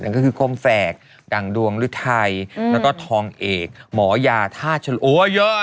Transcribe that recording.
นั่นก็คือโคมแฟกดังดวงรึทัยแล้วก็ทองเอกหมอยาทาชลโอ้วเยอะอะ